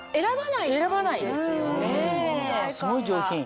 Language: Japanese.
すごい上品。